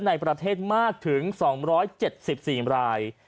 ในประเทศมากถึง๒๗๔ราย